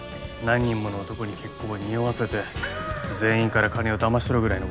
何人もの男に結婚を匂わせて全員から金をだまし取るぐらいのことしないと。